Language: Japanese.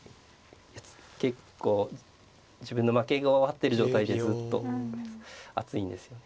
結構自分の負けが分かってる状態でずっと暑いんですよね。